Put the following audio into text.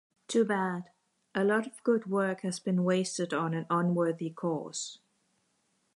Too bad: a lot of good work has been wasted on an unworthy cause.